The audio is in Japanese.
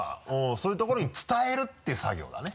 そういうところに伝えるっていう作業だね。